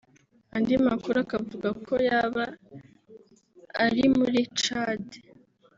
andi makuru akavuga ko yaba arui muri Chad